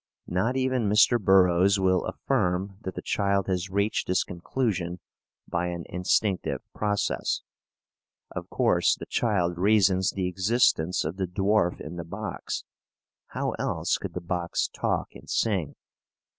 Not even Mr. Burroughs will affirm that the child has reached this conclusion by an instinctive process. Of course, the child reasons the existence of the dwarf in the box. How else could the box talk and sing?